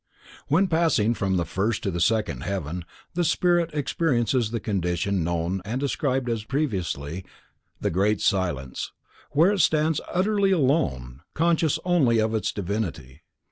When passing from the first to the second heaven, the spirit experiences the condition known and described previously as "The Great Silence," where it stands utterly alone conscious only of its divinity.